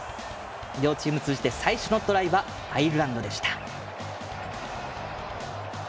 両チーム通じて最初のトライはアイルランドでした。